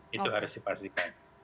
itu harus dipastikan